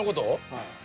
はい。